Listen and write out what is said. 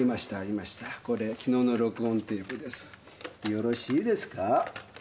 よろしいですか？